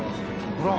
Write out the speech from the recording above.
「ほら！」